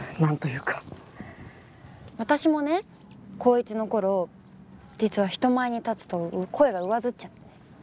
私もね高１の頃実は人前に立つと声が上ずっちゃって。